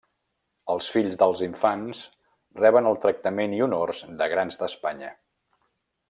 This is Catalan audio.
Els fills dels infants reben el tractament i honors de Grans d'Espanya.